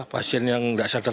pasien yang gak sadar